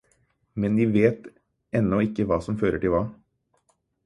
Men de vet ennå ikke hva som fører til hva.